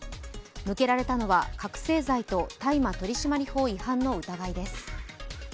向けられたのは覚醒剤と大麻取締法違反の疑いです。